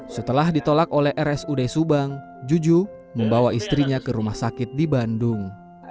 setelah ditolak oleh rsud subang juju membawa istrinya ke rumah sakit di bandung